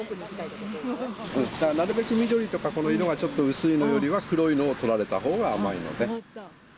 なるべく緑とか色が薄いのよりは黒いのを取られたほうが甘いので。